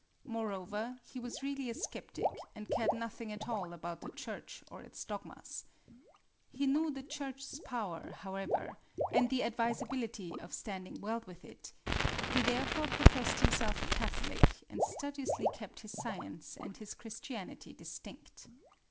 Moreover, he was really a sceptic, and cared nothing at all about the Church or its dogmas. He knew the Church's power, however, and the advisability of standing well with it: he therefore professed himself a Catholic, and studiously kept his science and his Christianity distinct.